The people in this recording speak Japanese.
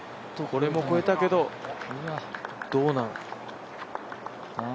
これも越えたけど、どうなの？